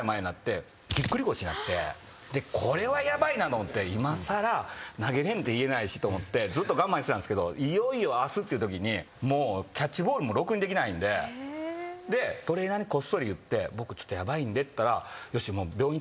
これはヤバいなと思って今さら「投げれん」って言えないしと思ってずっと我慢してたんですけどいよいよ明日っていうときにもうキャッチボールもろくにできないんでトレーナーにこっそり言って「僕ちょっとヤバいんで」って言ったら。